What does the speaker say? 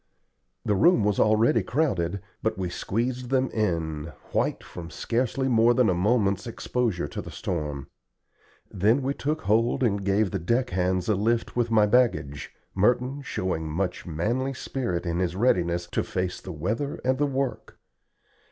The room was already crowded, but we squeezed them in, white from scarcely more than a moment's exposure to the storm. Then we took hold and gave the deck hands a lift with my baggage, Merton showing much manly spirit in his readiness to face the weather and the work.